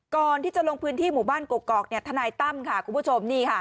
ก่อนที่จะลงพื้นที่หมู่บ้านกกอกเนี่ยทนายตั้มค่ะคุณผู้ชมนี่ค่ะ